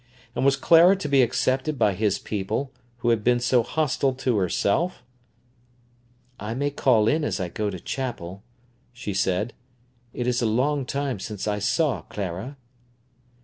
And was Clara to be accepted by his people, who had been so hostile to herself? "I may call in as I go to chapel," she said. "It is a long time since I saw Clara."